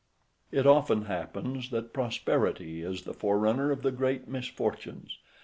It often happens, that prosperity is the forerunner of the greatest misfortunes.